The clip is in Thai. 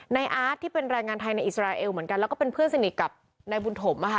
อาร์ตที่เป็นแรงงานไทยในอิสราเอลเหมือนกันแล้วก็เป็นเพื่อนสนิทกับนายบุญถม